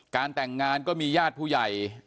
แต่งงานก็มีญาติผู้ใหญ่